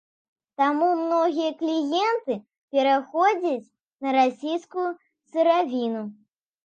Таму многія кліенты пераходзяць на расійскую сыравіну.